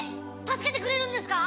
助けてくれるんですか？